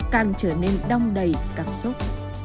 càng trở nên đông đầy cảm xúc